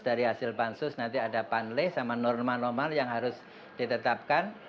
dari hasil pansus nanti ada panli sama norma normal yang harus ditetapkan